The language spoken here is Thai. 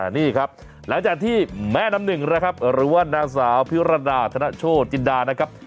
นี่ครับหลังจากที่แม่หน้าหนึ่งแล้วครับหรือนี่หน้าสาวภิรรณาสนโชชน์กินดานะครับ